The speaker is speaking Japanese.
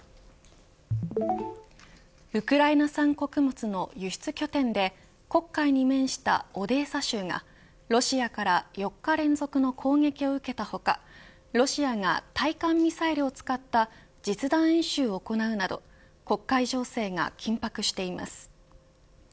ウクライナ産穀物の輸出拠点で黒海に面したオデーサ州がロシアから４日連続の攻撃を受けた他ロシアが対艦ミサイルを使った実弾演習を行うなど黒海情勢が緊迫しています。